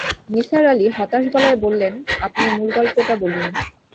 নিসার আলি হতাশ গলায় বলেন, আপনি মূল গল্পটা বলুন।